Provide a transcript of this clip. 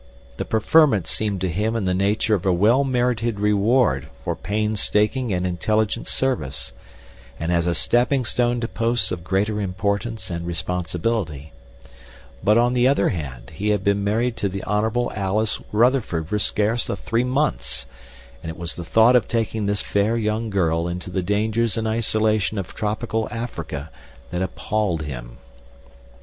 The preferment seemed to him in the nature of a well merited reward for painstaking and intelligent service, and as a stepping stone to posts of greater importance and responsibility; but, on the other hand, he had been married to the Hon. Alice Rutherford for scarce a three months, and it was the thought of taking this fair young girl into the dangers and isolation of tropical Africa that appalled him.